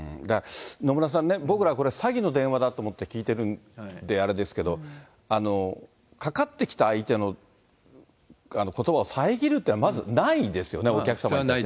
野村さんね、僕ら、これ詐欺の電話だと思って聞いてるんであれですけど、掛かってきた相手のことばを遮るっていうのは、まずないですよね、お客様に対してね。